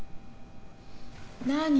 何？